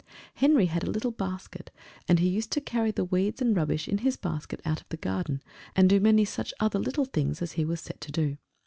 Henry had a little basket, and he used to carry the weeds and rubbish in his basket out of the garden, and do many such other little things as he was set to do.